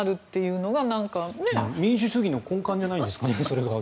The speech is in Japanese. それが逆に民主主義の根幹じゃないんですか？